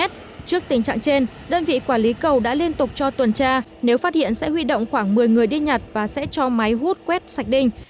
trước tình trạng trên đơn vị quản lý cầu đã liên tục cho tuần tra nếu phát hiện sẽ huy động khoảng một mươi người đi nhặt và sẽ cho máy hút quét sạch đinh